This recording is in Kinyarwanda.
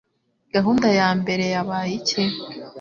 Gahunda ya mbere yabaye iki?